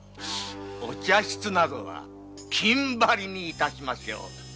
お茶室などは金張りに致しましょう。